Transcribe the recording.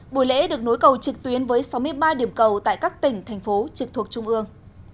buổi lễ được nối cầu trực tuyến với sáu mươi ba điểm cầu tại các tỉnh thành phố trực thuộc trung ương